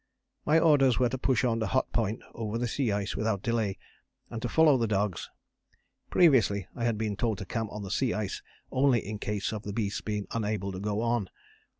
My orders were to push on to Hut Point over the sea ice without delay, and to follow the dogs; previously I had been told to camp on the sea ice only in case of the beasts being unable to go on.